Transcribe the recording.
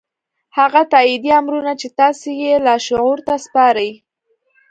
هغه تايیدي امرونه چې تاسې یې لاشعور ته سپارئ